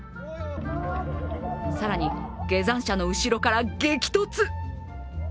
更に、下山者の後ろから激突！